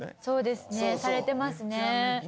そうですねされてますね。